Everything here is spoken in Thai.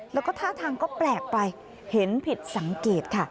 แล้วก็ท่าทางก็แปลกไปเห็นผิดสังเกตค่ะ